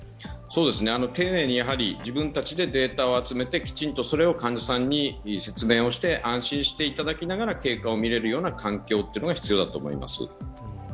丁寧に自分たちでデータを集めてきちんとそれを患者さんに説明をして、安心していただきながら経過を見れるような環境が必要だと思います。